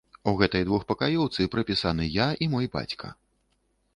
У гэтай двухпакаёўцы прапісаны я і мой бацька.